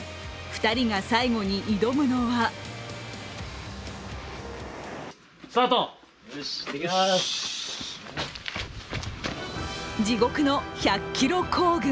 ２人が最後に挑むのは地獄の１００ｋｍ行軍。